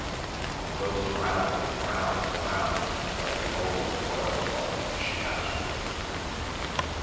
"It goes round, round, round, like a roll of oil cloth," she hazarded.